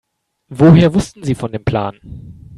Woher wussten Sie von dem Plan?